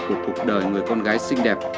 của cuộc đời người con gái xinh đẹp